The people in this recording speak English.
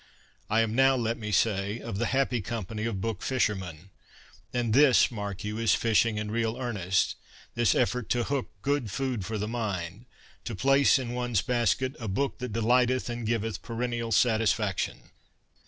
I am now, let me say, of the happy company of book fishermen. And this, mark you, is fishing in real earnest, this effort to " hook " good food for the mind, to place in one's basket a " book that de lighteth and giveth perennial satisfaction."